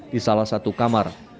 di salah satu kamar